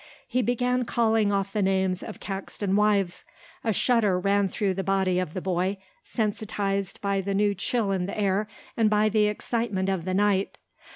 He began calling off the names of Caxton wives. A shudder ran through the body of the boy, sensitised by the new chill in the air and by the excitement of the night.